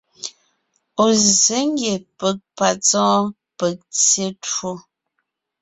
Ɔ̀ zsě ngie peg ,patsɔ́ɔn, peg tyé twó.